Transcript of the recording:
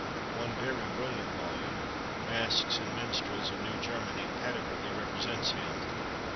One very brilliant volume, "Masks and Minstrels of New Germany," adequately represents him.